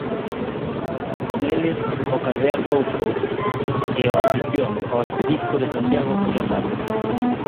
Con eles, o cardeal Rouco e o anfitrión, o arcebispo de Santiago Julián Barrio.